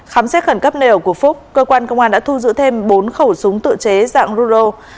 khám xét khẩn cấp nềo của phúc cơ quan công an đã thu giữ thêm bốn khẩu súng tự chế dạng ruro